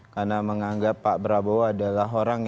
karena menganggap pak prabowo adalah orang yang